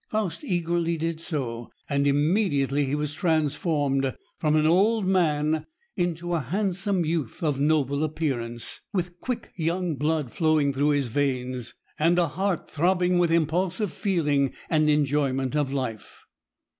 Faust eagerly did so, and immediately he was transformed from an old man into a handsome youth of noble appearance, with quick young blood flowing through his veins, and a heart throbbing with impulsive feeling and enjoyment of life.